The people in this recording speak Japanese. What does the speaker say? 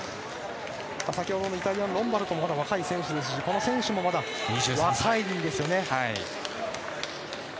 先ほどのイタリアのロンバルドも若い選手ですしこの選手もまだ若いんですよね。